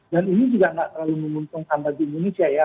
dan ini juga nggak terlalu menguntungkan bagi indonesia ya